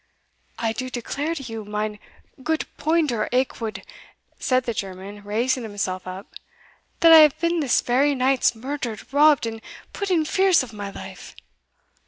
"I do declare to you, mine goot Poinder Aikwood," said the German, raising himself up, "that I have been this vary nights murdered, robbed, and put in fears of my life."